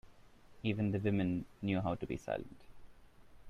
Even the women knew how to be silent.